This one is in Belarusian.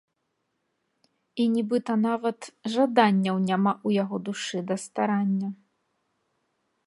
І нібыта нават жаданняў няма ў яго душы да старання.